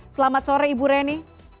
selamat sore ibu reni